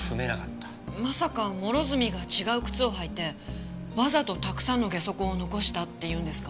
まさか諸角が違う靴を履いてわざとたくさんのゲソ痕を残したって言うんですか？